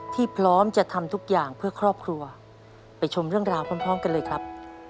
พร้อมจะทำทุกอย่างเพื่อครอบครัวไปชมเรื่องราวพร้อมกันเลยครับ